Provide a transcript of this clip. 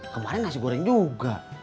kemarin nasi goreng juga